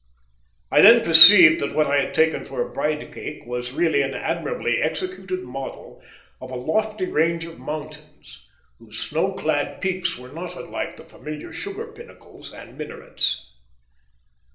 I then perceived that what I had taken for a bride cake was really an admirably executed model of a lofty range of mountains, whose snow clad peaks were not unlike the familiar sugar pinnacles and minarets.